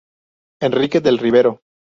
Enrique del Rivero.